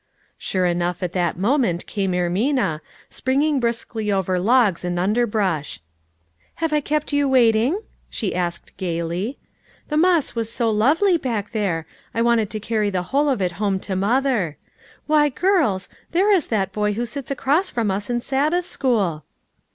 Sure enough at that moment came Ermina, springing briskly over logs and underbrush. " Have I kept you waiting ?" she asked gayly. " The moss was so lovely back there ; I wanted to carry the whole of it home to mother. Why, girls, there is that boy who sits across from us in Sabbath school.